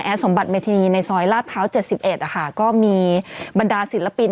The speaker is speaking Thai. แอดสมบัติเมธินีในซอยลาดเภาส์เจ็ดสิบเอ็ดอะค่ะก็มีบรรดาศิลปิน